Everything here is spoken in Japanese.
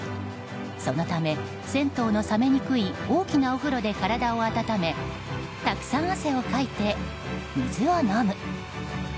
そのため、銭湯の冷めにくい大きなお風呂で体を温め、たくさん汗をかいて水を飲む。